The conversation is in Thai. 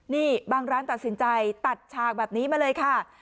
นี่บางร้านตัดสินใจตัดฉากแบบนี้มาเลยค่ะ